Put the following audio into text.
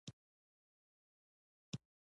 خان زمان: ډېر ستړی یې، چې پښې دې درد کوي؟